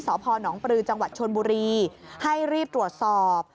สภหนองปรือจชลบุรีให้รีบตรวจสอบ